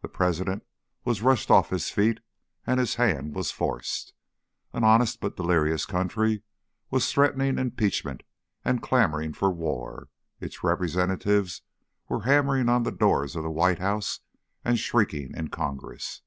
The President was rushed off his feet and his hand was forced. An honest but delirious country was threatening impeachment and clamouring for war. Its representatives were hammering on the doors of the White House and shrieking in Congress.